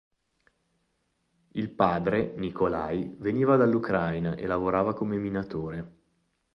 Il padre, Nicolaj, veniva dall'Ucrainae lavorava come minatore.